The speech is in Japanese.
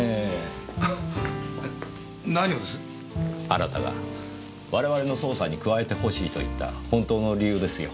あなたが我々の捜査に加えてほしいと言った本当の理由ですよ。